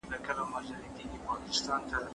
موږ بايد د جمود پر ځای تحرک ته لومړيتوب ورکړو.